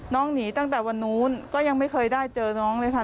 หนีตั้งแต่วันนู้นก็ยังไม่เคยได้เจอน้องเลยค่ะ